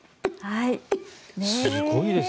すごいですね。